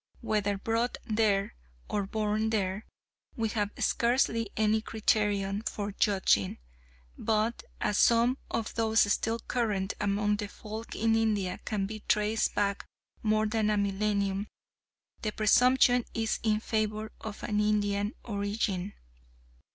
Whether brought there or born there, we have scarcely any criterion for judging; but as some of those still current among the folk in India can be traced back more than a millennium, the presumption is in favour of an Indian origin.